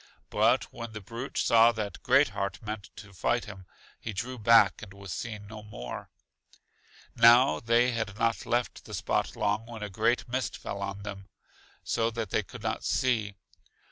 But when the brute saw that Great heart meant to fight him, he drew back and was seen no more. Now they had not left the spot long when a great mist fell on them, so that they could not see.